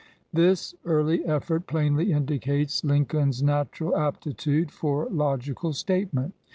This early effort plainly indicates Lincoln's natural aptitude for logical statement.